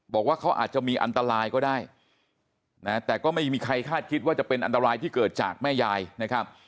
บอกว่าเขาอาจจะมีอันตรายก็ได้นะแต่ก็ไม่มีใครคาดคิดว่าจะเป็นอันตรายที่เกิดจากแม่ยายนะครับ